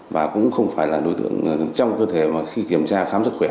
và cũng không phải là đối tượng trong cơ thể mà khi kiểm tra khám sức khỏe